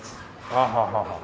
はあはあはあはあ。